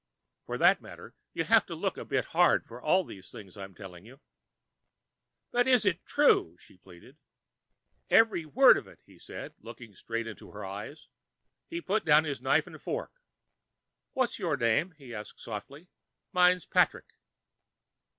For that matter, you have to look a bit hard for all these things I'm telling you." "But it is true?" she pleaded. "Every word of it," he said, looking straight into her eyes. He put down his knife and fork. "What's your name?" he asked softly. "Mine's Patrick."